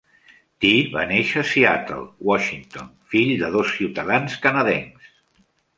Tee va néixer a Seattle, Washington, fill de dos ciutadans canadencs.